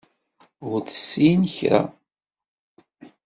Ur tessin kra.